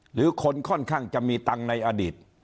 หรือคนค่อนข้างจะมีตังค์ในอดีต